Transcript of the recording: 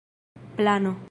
plano